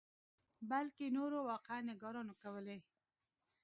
بلکې نورو واقعه نګارانو کولې.